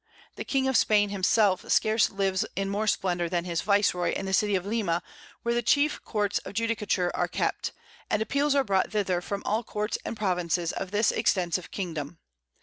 The King of Spain himself scarce lives in more Splendor than his Vice roy in the City of Lima, where the chief Courts of Judicature are kept, and Appeals are brought thither from all Courts and Provinces of this extensive Kingdom.